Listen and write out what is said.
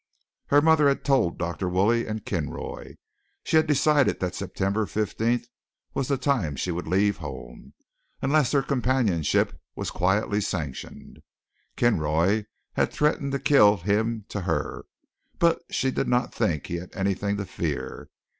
Her mother had told Dr. Woolley and Kinroy. She had decided that September fifteenth was the time she would leave home, unless their companionship was quietly sanctioned. Kinroy had threatened to kill him to her, but she did not think he had anything to fear.